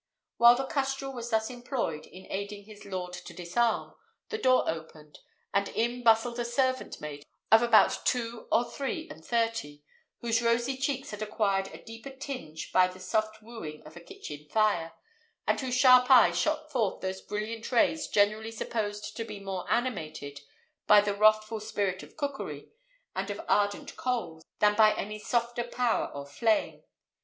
While the custrel was thus employed in aiding his lord to disarm, the door opened, and in bustled a servant maid of about two or three and thirty, whose rosy cheeks had acquired a deeper tinge by the soft wooing of a kitchen fire, and whose sharp eyes shot forth those brilliant rays generally supposed to be more animated by the wrathful spirit of cookery and of ardent coals than by any softer power or flame.